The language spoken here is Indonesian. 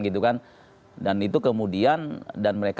dan itu kemudian dan mereka